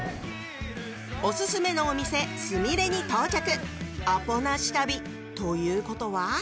お薦めのお店「すみれ」に到着アポなし旅ということは？